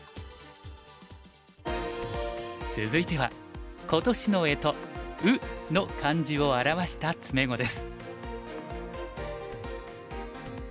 続いては今年の干支「卯」の漢字を表した詰碁です。